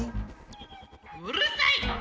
うるさい！